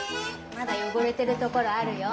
まだよごれてるところあるよ。